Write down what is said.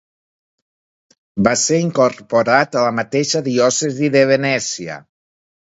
Va ser incorporat a la mateixa diòcesi de Venècia.